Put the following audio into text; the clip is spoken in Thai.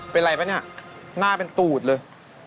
เป็นไรเป็นไงหน้าเป็นตูดเลย